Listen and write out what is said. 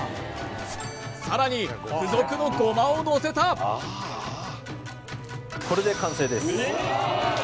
さらに付属のゴマをのせたこれで完成です